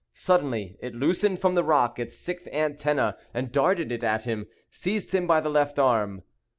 Suddenly it loosened from the rock its sixth antenna, and darting it at him, seized him by the left arm.